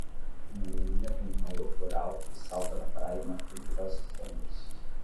Uma menina em um maiô floral que salta na praia na frente das ondas.